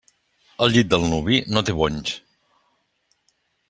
El llit del nuvi no té bonys.